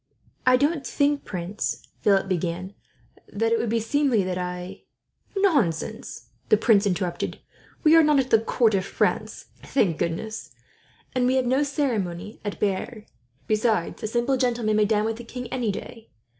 "I don't think, Prince," Philip began, "that it would be seemly that I " "Nonsense," the prince interrupted, "we are not at the court of France, thank goodness, and we have no ceremony at Bearn. Besides, a simple gentleman may dine with the king, any day.